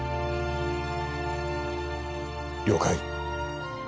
了解